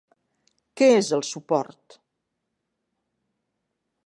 Què és el suport?